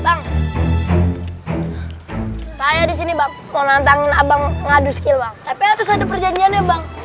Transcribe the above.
bang saya disini bakpon antangin abang ngadu skill an tapi harus ada perjanjiannya bang